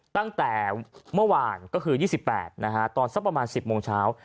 ตั้งแต่เมื่อวานก็คือ๒๘ตอนสักประมาณ๑๐โมงเช้า